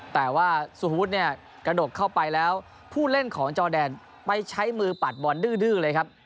แต่ว่าสุภวุฒิเนี่ยกระดกเข้าไปแล้วผู้เล่นของจอแดนไปใช้มือปัดบอลดื้อเลยครับ